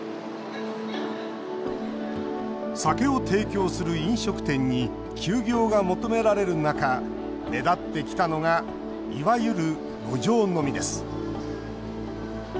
酒を提供する飲食店に休業が求められる中目立ってきたのがいわゆる路上飲みです。